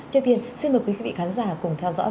trước tiên xin mời quý vị khán giả cùng theo dõi